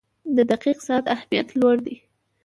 • د دقیق ساعت اهمیت لوړ دی.